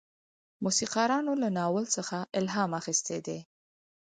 موسیقارانو له ناول څخه الهام اخیستی دی.